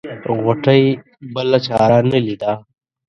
غوټۍ بله چاره نه ليده.